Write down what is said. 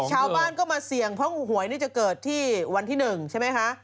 ชาวบ้านก็มาเสี่ยงเพราะหวยนี่จะเกิดที่วันที่๑ใช่ไหมคะ